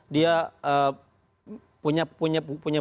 dia punya bukti yang kuat